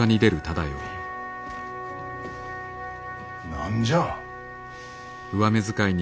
何じゃ？